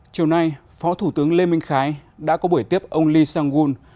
chiều nay phó thủ tướng lê minh khái đã có buổi tiếp ông lee sang gun